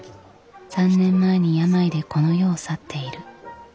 ３年前に病でこの世を去っている。